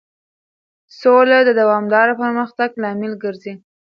سوله د دوامدار پرمختګ لامل ګرځي.